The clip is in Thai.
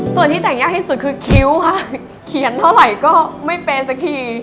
ส่วนที่แต่งยากที่สุดคือคิ้วค่ะเขียนเท่าไหร่ก็ไม่เปย์สักที